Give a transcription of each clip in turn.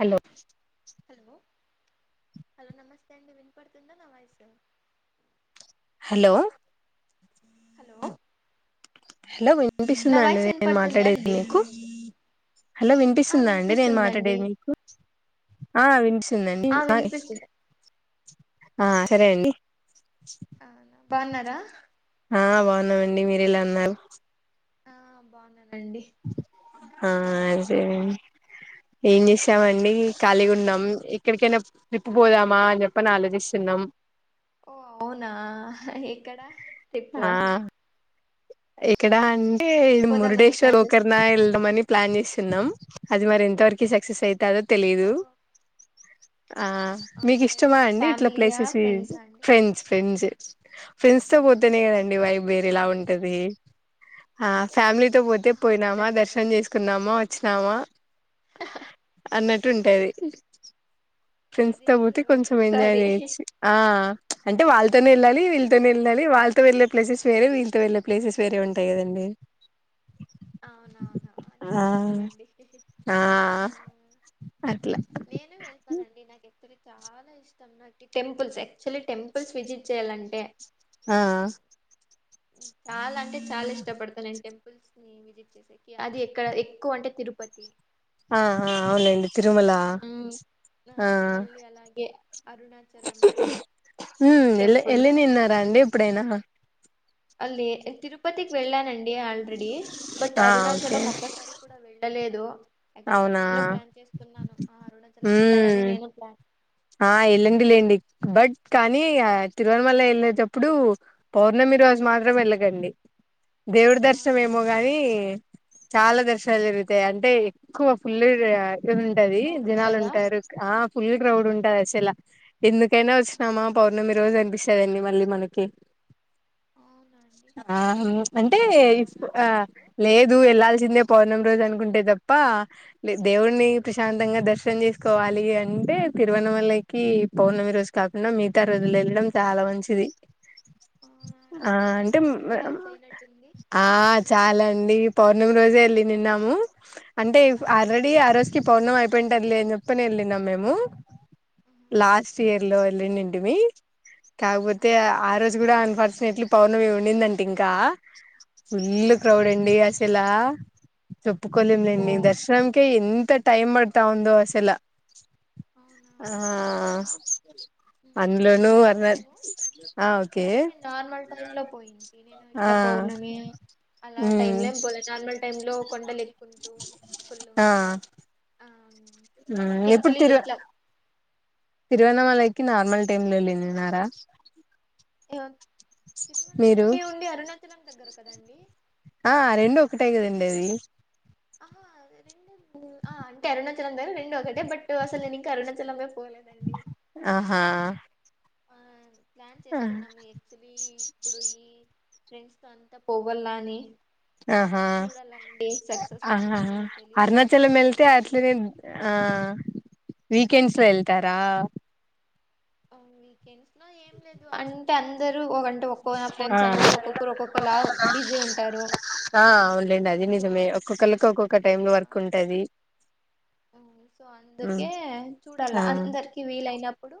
Hello hello hello నమస్తే అండి వినపడుతుందా నా వాయిసు హలో హలో హలో నా వినిపిస్తుందా అండి వాయిస్ నేను వినపడుతుందా మాట్లాడేది అండి మీకు హలో ఆ వినిపిస్తుందా అండి నేను వినిపిస్తుందండి మాట్లాడేది మీకు విన్పిస్తుందండి ఆ వినిపిస్తుంది ఆ సరే అండి బా అన్నారా ఆ బాగున్నామండి మీరు ఎలా అన్నారు ఆ బాగున్నా ఆ అదే చేస్తున్నారు ఇ వచ్చామండి ఖాళీగా ఉన్నాం ఎక్కడికైనా ట్రిప్ పోదామా అని చెప్పని ఆలోచిస్తున్నాం ఓ అవునా ఎక్కడా టప్పు ఆ ఇక్కడ అంటే పోదామని మురుడేశ్వర్ ప్లాన్ ఒకరిన చేస్తున్నారు వెళ్ళడమని ప్లాన్ చేస్తున్నాం అది మరి ఎంతవరకు సక్సెస్ అయితదో తెలిదు ఓ ఆ మీకు అవునా ఎవరు ఇష్టమా విత్ అండి ఇట్లా ఫ్యామిలీయా ప్లేసెస్ ఫ్రెండ్సా అండి ఫ్రెండ్స్ ఫ్రెండ్స్ ఫ్రెండ్స్ తో పోతేనే కదండి వై వేర ఇలా ఫ్రెండ్సా ఉంటది ఆ ఫ్యామిలీతో పోతే ఆహా పోయినామా అట్లంటారా దర్శనం చేసుకున్నామా వచ్చినామా అన్నట్టు ఉంటది ఫ్రెండ్స్ అది తో పోతే నిజమే కొంచెం ఎంజాయ్ ఒక్కొక్కసారి చేయొచ్చు ఆ అంటే వాళ్ళతోనే వెళ్ళాలి వీళ్ళతోనే వెళ్ళాలి వాళ్ళతో వెళ్లే ప్లేసెస్ వే వీళ్తో వెళ్లే ప్లేసెస్ వేరేంటయిదండి అవున అవునా అది నిజమలేండి ఆ అట్లా నేను వెళ్తానండి నాకు సే చాలా ఇష్టం నాకు టెంపుల్స్ యాక్చువల్లీ టెంపుల్స్ విజిట్ చెయ్యాలంటే ఆ చాలా అంటే చాలా ఇష్టపడతాను నే టెంపుల్స్ విజిట్ చేసా అది ఎక్కడ ఎక్కువ అంటే తిరుపతి ఆ అవునండి తిరుమల ఉమ్, ఆ మళ్ళీ అలాగే అరుణాచలం శివరి ఉమ్ ఎల్ టెంపుల్ ఎల్లి క నిన్నారా అండి ఎప్పుడైనా అల్ తిరుపతికి వెళ్ళానండి ఆల్రెడీ బట్ ఆ ఓకే అరుణాచలం ఒక్కసారి కూడా వెళ్ళలేదు యాక్చువలీ అవునా నేను ప్లాన్ చేస్తున్నాను ఆ అరుణాచలం వెళ్ళాలని మ్మ్ నేను ప్లాన్ ఆ వెళ్ళండి లేండి బట్ కానీ తిరువనమల వెళ్ళేటప్పుడు పౌర్ణమి మీరు రోజు మాత్రం వెళ్ళగండి దేవుడి దర్శనం అవునా ఏమో ఎందుకండి గాని చాలా దర్శలు జరుగుతాయి అంటే ఎక్కువ ఫుల్లు ఉంటది క్రౌడ్ జనాలు ఉంటదా ఉంటారు పులి క్రా కదాస ఇలా ఎందుకైనా ఆ వచ్చినామా పౌర్ణమి రోజు అనిపిస్తుందండి మళ్ళీ మనకి అ ఆ అంటే నాకు ఆ తెలుసు దాని లేదు గురించి వెళ్లాల్సిందే పౌర్ణమి రోజు అనుకుంటే తప్ప తప్ప ఆ, దేవుడిణి ప్రశాంతంగా దర్శనం చేసుకోవాలి అంటే తిరువన వల్లకి పౌర్ణమి రోజు కాకుండా మిగతా రోజులు వెళ్ళడం చాలా మంచిది అవునా ఆ అట్లాంటారా అంటే మీకు ఎక్స్పీరియన్స్ అయినట్టుంది ఆ చెప్తున్నారు చాలండి పౌర్ణమి రోజే వెళ్ళినిన్నాము అంటే అవునా ఆల్రెడీ ఆ రోజుకి పౌర్ణం అయిపోయింటారుది లే అని చెప్పని వెళ్ళినం మేము ఆహా, లాస్ట్ ఇయర్ లో వెళ్ళండండి మీ కాకపోతే అవునా ఆ రోజు కూడా అన్ఫార్చునేట్లీ పౌర్ణమి ఉండిందంటే ఇంకా ఆ, ఫుల్ క్రౌడ్ అండి అసలా ఓ చెప్పుకలేంలేండి దర్శనకే ఎంత టైమ్ మతా ఒంద అసెల అవునా ఆ ఉమ్, అందులోను నేను అర్ణ పోయినాను కానీ నేను నార్మల్ టైమ్ లో పోయింది నేను ఆ ఇట్లా పర్ణమ అలా టైమ్ మ్మ్ లో ఏం పోలే నార్మల్ టైమ్ లో కొండలు ఎక్కుంటూ ఫుళు ఆ ఆ ఎప్పుడు తిరు తిరువనమలకి నార్మల్ టైమ్ లో వెళ్ళన్నారా ఏ మీరు దగ్గర కదండి ఆ రెండు ఒకటే కదండి అది ఆహా అంటే అరుణచలం రెండు ఒకటే బట్ అసలు నేను ఇంకా అరుణాచలం ఆహా ఆ ప్లాన్ చేస్తున్నాము యాక్చులీ ఇప్పుడు ఈ ఫ్రెండ్స్ తో అంతా పోవాల అని ఆహా చూడాలండి సక్సెస్ ఆహా అయితుందా లేదో తెలీదు అరుణాచలం వేల్తే అందరికి ఇవి అట్లేనే ఆ వీకెండ్స్ లో వెళ్తారా అంటే అందరు ఒక ఒక్కో నా ఫ్రెండ్స్ ఆ అందరు ఒక్కొక్కరు ఒక్కొక్కలా బిజీ ఉంటారు ఆ అవులేండి అది సో నిజమే ఒక్కొక్కరికి ఒక్కొక్క టై లో ఆ వర్క్ ఉంటది సో అందుకే చూడాల ఆ అందరికి వీలైనప్పుడు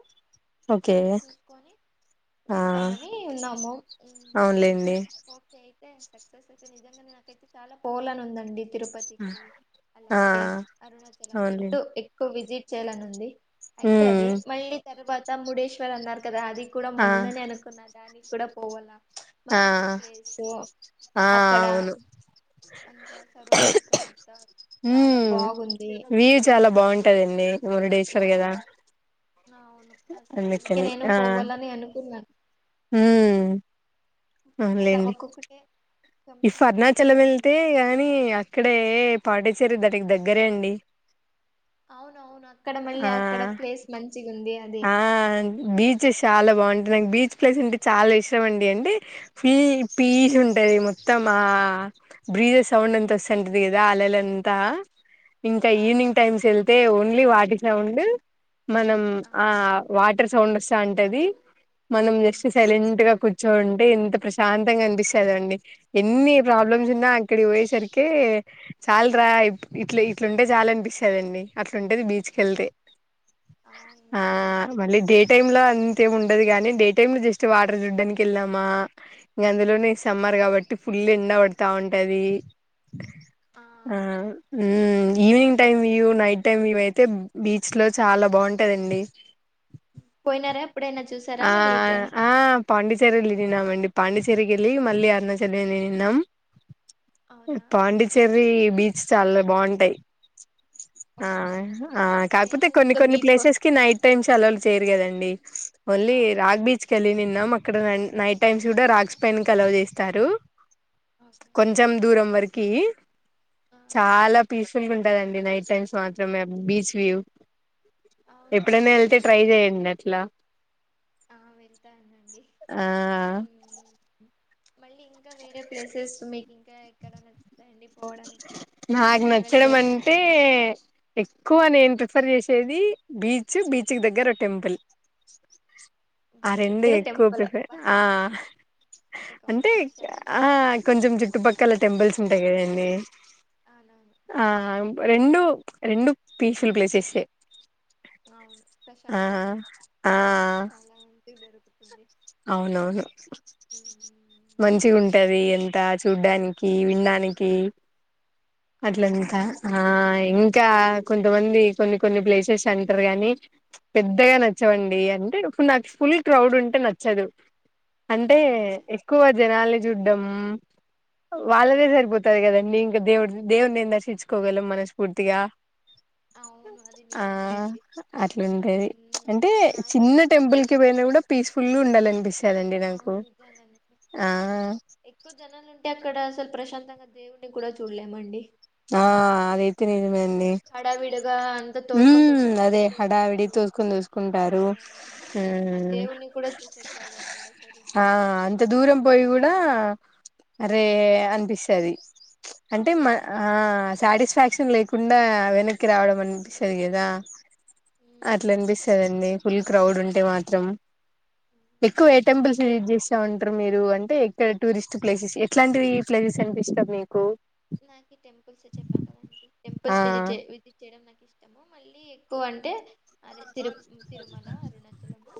ఓకే చూసుకొని ఆ వెళ్దామని ఉన్నాము అవునులేండి ఓకే అయితే సక్సెస్ అయితే నిజంగా నాకైతే చాలా పోలని ఉందండి తిరుపతికి ఆ అలాగే అరుణాచలం రెండు అవునులేండి ఎక్కువ విజిట్ చేయాలని ఉంది అయితే అది ఉమ్ మళ్ళీ తర్వ ముడేశ్వర్ అన్నారు కదా అది కూడా ఆ మొన్నని అనుకున్నా దానికి కూడా పోవాల ఆ మంచి ప్లేసు ఆ అక్కడ అవును అంత సరౌండింగ్స్ అంత చాలా ఉమ్ బాగుం వ్యూ చాలా బాగుంటాదండి మూరు డేస్ర్ కదా అవును అవును అస అందుకే అందుకని నేను ఆ పోవాలని అనుకున్నాను హ ఒక్కొక్కటి ఈ అరుణాచలం వెళ్తే గాని అక్కడే పాటచ్చేరి దానికి దగ్గరే అండి అవున అవును అక్కడ మళ్ళీ ఆ అక్కడ ప్లేస్ మంచి ఆ బీచ్ చాలా బాగుంటాయి నాకు బీచ్ ప్లేస్ అంటే చాల ఇష్టం అండి అంటే ఫుల్ పీచ్ ఉంటది మొత్తం ఆ [unintelligible] సౌండ్ అంత వ సంటది ఇదా అలల్ అంతా ఇంకా ఆ ఈవినింగ్ టైమ్స్ వెళ్తే ఓన్లీ వాటి సౌండ్ మనం ఆ వాటర్ సౌండ్ వస్తా ఉంటది మనం ఉమ్. జస్ట్ సైలెంట్ గా చోంటే ఎంత ప్రశాంతంగా అనిపిస్తుందిండి ఎన్ని ప్రాబ్లమ్స్ ఉన్నా అక్కడి పోయేసరికే చాలురా ఇట్ ఇలుంటే చాల అనిపిస్తుదండి అట్లాంటేది బీచ్ ఆ అవును నిజమే అండి మళ్ళీ డే టైమ్ లో అం తేమి ఉండదు కాగాని డే టైమ్ లో జస్ట్ వాటర్ చూడ్డానికి వెళ్ళామా ఇంక అందులోనే సమ్మర్ కాబట్టి ఆ అవును ఎ టైమ్ ఇవ నైట్ టైమ్ ఇవ అయితే బీచ్ లో చాలా బాగుంటాదండి పోయినార ఆ ఆ పాండిచరీ [unintelligible] వెళ్ళినమండి పాండిచేరి కి ఎల్లి మళ్లీ [unintelligible] అవునా పాండిచ్చేరి బీచ్ చాలా బాగుంటాయి ఓ ఆ అవునా ఆ నేను కాకపోతే కొన్ని ఇంకా ఇంకా కొన్ని బీచ్ కో ప్లేసెస్ కి నైట్ టైమ్స్ అలో చేయరు కదండి అళ్ళ అవునవును రాగ్ బీచ్ కెళ్ళి నిన్నం ఇక్కడ నైట్ టైమ్స్ కూడా రాక్స్ పైన కి అలో చేస్తారు ఓకే కొంచెం దూరం వరకు కే ఆ చాలా పీస్ఫుల్ ఉంటదండి నైట్ టైమ్స్ మాత్రమే బీచ్ వ్యూ అవునా ఎప్పుడైనా వెళ్తే ట్రై చేయండి అట్లా ఆ వెళ్తానండి ఆ మళ్ళీ ఇంకా ఇంకా వేరే ప్లేసెస్ మీకు ఇంకా ఎక్కడ నచ్చుతాయండి పోవడానికి నాకు ట్రావెల్ నచ్చడం చేయడానికి అంటే ఎక్కువ నేను ప్రిఫర్ చేసేది బీచ్ బీచ్ క దగ్గర ఒక టెంపుల్ ఆ బీచ్ రెండు దగ్గర ఎక్కువ టెంపుల్ ప్రిఫేర్ వాహ్ ఆ వాట్ ఏ అంటే కాంబినేషన్ ఆ కొంచెం చుట్టుపక్కల టెంపుల్స్ ఉంటాయి కదండి అవునవును ఆ రెండు రెండు పీస్ఫుల్ ప్లేసెస్ అవును ప్రశాంతత ఆ చాలా మంది దొరుకుతుంది అవునవును ఉమ్, మంచి ఉంటది ఎంత చూడ్డానికి విడానికి అట్లంతా అవునవును ఆ ఇం ఇంకా కొంతమంది కొన్ని కొన్ని ప్లేసెస్ అంటారు గాని పెద్దగా నచ్చవండి అంటే ఇప్పుడు నాకు ఫుల్ క్రౌడ్ ఉంటే నచ్చదు అంటే ఓకే ఎక్కువ జనాల చూడ్డం వాళ్ళదే సరిపోతది కదండి ఇంకా దేవుడి దేవ్నింద హిట్కోగల మనస్ఫూర్తిగా అవును అది ఆ నిజమే అండి అట్లుంటది ఉమ్, అంటే చిన్న నాకంతే టెంపుల్ కి పోయినా కూడా పీస్ ఫులు ఉండాల అంపి అవును నిజంగాండి ఎక్కువ జనాలు ఉంటేయి క్కడ అసలు ప్రశాంతంగా దేవు్ని కూడా చూడలే మండి ఆ అదైతే నిజమే అడి హడావిడిగా అంతా ఉ తోసుకొని తోసుకొని అదే హడావిడి వెళ్ళిపోతుంటారు తోసుకుొని ఆ తూసుకుంటారు హ ఆ దేవుని కూడా చూసేకి కాదు అక్కడ ఆ సరిగ్గా అంత దూరం పోయి కూడా అనిపిస్తుంది అంటే అవునవును శిక్షన్ లేకుండా వెనక్కి రావడం అనిపిస్తుంది కదా అట్లా ఉమ్, అనిపిస్తుందిండి ఫుల్ క్రౌడ్ ఉంటే మాత్రం ఉమ్, ఎక్కువ ఏ అవును. టెంపుల్స్ మరి విజిట్ చేస్తా ఉంటా మీరు అంటే ఎక్కడ టూరిస్ట్ ప్లేసెస్ ఎట్లాంటి ప్లేసెస్ అనిపిస్తావు మీకు నాకు టెంపుల్స్ చెప్పాను కదండి ఆ టెంపుల్స్ విజిట్ విజిట్ చేయడం నా ఇష్టము మళ్ళీ ఎక్కువ అంటే అదే తిరు తిరుమల అరుణాచలము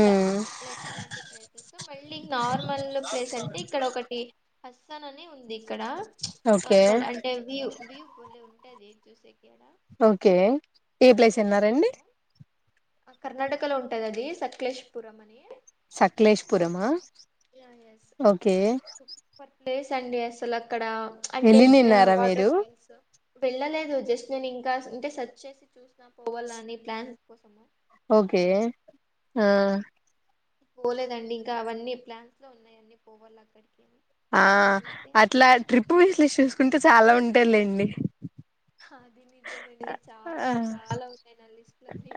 ఇలా ఉమ్ లైక్ ఇలాంటి ప్లేసెస్ మళ్ళీ నార్మల్ ప్లేస్ అంటే ఇక్కడ ఒకటి ని ఉంది ఇక్కడ ఓకే నార్మల్ అంటే వ్యూ వ్యూ వలే ఉంటది చూస ఓకే ఏ ప్లేస్ ఎన్నారంండి కర్ణాటక లో ఉంటది అది సక్లేష్పురం అని సక్లేష్పురమా ఓకే అడే సండే అసలు అక్కడ అంటే వెళ్ళినిన్నారా వాటర్ మీరు ఫాల్స్ వెళ్ళలేదు జస్ట్ నేను ఇంకా అంటే సర్చ్ చేసి చూసిన పోవాలా అని ప్లాన్స్ కోసము ఓకే అన్ని ఆ ఉమ్, పోలేదండి ఇంకా అవన్నీ ప్లాన్స్ లో ఉన్నాయి అన్నీ పోవళ్ళు అక్కడికి అని ఆ అయితే అట్లా ట్రిప్పు వసి చూసుకుంటే చాలా ఉంటేలేండి అది నిజమండి చాలా అంటే చాలా ఉన్నాయి నా లిస్టులన్నీ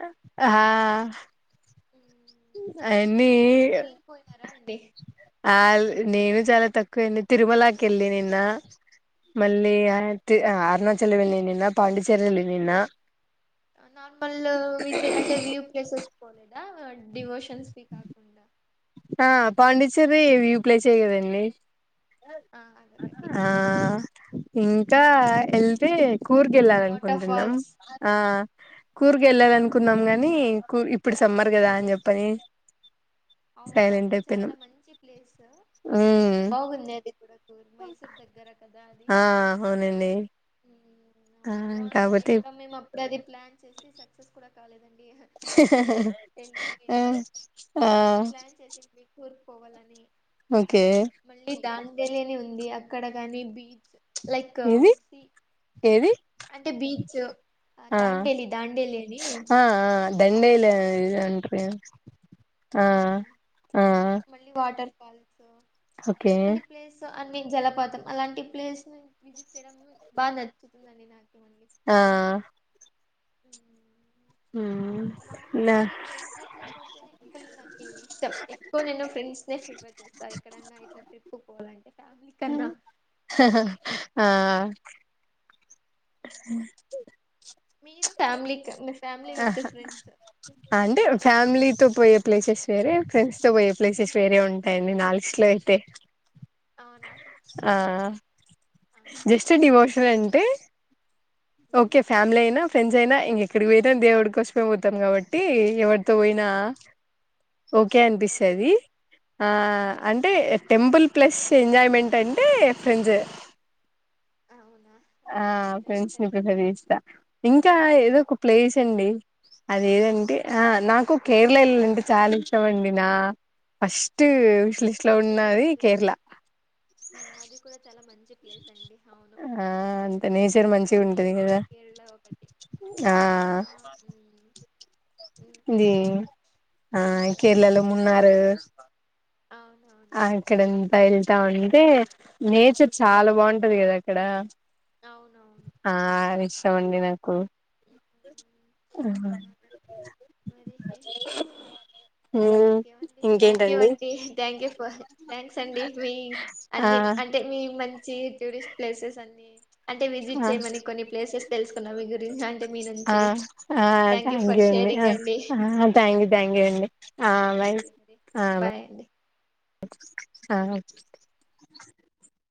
అ అయన్నీ మీరు పోయినారా అండి ఆ నేను చాలా తక్కువ తిరుమలకి వెళ్ళ నిన్న మళ్ళీ అరుణాచల నిన్న పాండిచ్చేరిలు నిన్న నార్మల్ విజి అంటే వ్యూ ప్లేసెస్ పోలేద డివోషన్ స్పీక్కుడా ఆ పాండిచ్చేరి వ్యూ ప్లేస్ అయ్య కదండి ఆ అద కటి ఆ ఇంకా వెళ్తే కూరికి వెళ్ళాలి వాటర్ అనుకుంటున్నాం ఫాల్స్ ఆ కూరుకు వెళ్ళాలి అనుకున్నాం గాని కూ ఇప్పుడు ఎస్ సమ్మర్ కదా దట్ అని ఈస్ చెప్పని అవును సైలెంట్ అది అయిపోయినాం చాలా మంచి ప్లేస్ ఉమ్ బాగుంది అది ఆ అవునండి ఆ బాగుంది అది కాబట్టి కూడా మేము అప్పుడ అది ప్లాన్ చేసి సక్సెస్ కూడా కాలేదండి ఆ వెళ్ళిపోయింది ఆ ప్లాన్ చేసింది టూర్ ఓకే దాండెలిని ఉంది అక్కడ గాని బీచ్ లైక్ ఏవి సి ఏది అంటే బీచ్ ఆ దాండేలి దాండేలి అని దండేలీ అక్కడ ఈ అంట్రు ఆ, ఆ మళ్ళీ వాటర్ ఓకే అట్లాంటి ప్లేస్ అన్ని జలపాతం అలాంటి ప్లేస్ విజిట్ చేయడం బాగా నచ్చుతుందండి నాకు మళ్ళీ ఆ [unintelligible] హుమ్ బాగుంటుంది కానీ ఫ్రెండ్స్ తో పోతేనే ఫుల్ నాకు ఇష్టం ఎక్కువ నేను ఫ్రెండ్స్ ప్రిఫేర్ చేస్తా ఎక్కడన్నా ఇట్లా ట్రిప్పుకు పోవాలంటే ఫ్యామిలీ కన్నా ఆ [inaudible] మీరు ఫ్యామిలీ క ఆహా అంటే రెండునా ఫ్యామిలీతో పోయే ప్లేసెస్ వేరే ఫ్రెండ్స్ తో పోయే ప్లేసెస్ వేరే ఉంటాయిడి నా లిస్టులో అయితే అవునా ఆ ఓకే ఆ జస్ట్ అంతేలేండి డివోషన్ అంటే ఉమ్, ఓకే ఫ్యామిలీ అయినా ఫ్రెండ్స్ జైనా ఇంకెక్కడికి పోయినా దేవుడి కోసమే పోతాం కాబట్టి ఎవరితో పోయినా ఓకే ఓకే అనిపిస్తది ఆ అంటే టెంపుల్ ప్లస్ ఎంజాయ్మెంట్ అంటే ఫ్రెండ్స్ అవునా ఆ ఓకే నై ఫ్రెండ్స్ ప్రిఫర్ చేస్తా ఇంకా ఏదో ఒక ప్లేస్ అండి అదేదంటే నాకు కేరళ వెల్లంటే చాలా ఇష్టం అండి నా ఫస్ట్ స్టు యా విశ్లిస్ట్ లో దట్ ఈస్ ఉన్నది ఆల్సో వెరీ కేరళ అది కూడా చాలా మంచి ప్లేస్ అండి అవును ఆ అంత నేచర్ మంచిగా పీస్ఫోల్ ఉంటది ప్లేస్ అంటే కదా. కేరళ ఒకటి ఆ ఆ ఇదీ ఇంకైతే ఆ హ్మ్. కేరళలో మున్నారు అవునవును. తా ఉంటే నేచర్ చాలా బాగుంటది కదా అక్కడ అవునవును. ఆ ఇష్టమండి నాకు హ్మ్. అవును. మరి [unintelligible] హ్మ్ థ్యాంక్ యూ ఇంకేంటండి అండి థ్యాంక్ యూ ఫార్ థ్యాంక్స్ అండి మీ ఆ అన్ని అంటే మీ మ టూరిస్ట్ ప్లేసెస్ అన్ని అంటే విజిట్ ఆ చేయమని కొన్ని ప్లేసెస్ తెలుసుకున్నా వి ఆ థ్యాంక్ యూ అండి thank you thank you okay. అండి ఆ సరే బై అండి మరి ఆ బై బాయ్ అండి ఆ